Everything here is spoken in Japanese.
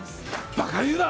バカ言うな！